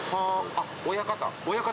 あっ親方？